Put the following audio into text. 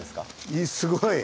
いいすごい。